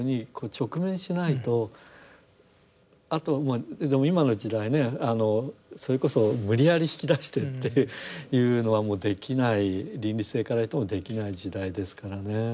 あとでも今の時代ねあのそれこそ無理やり引き出してっていうのはもうできない倫理性から言ってもできない時代ですからね。